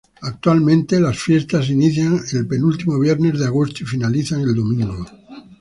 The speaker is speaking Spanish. Actualmente, las fiestas se inician el penúltimo viernes de agosto y finalizan el domingo.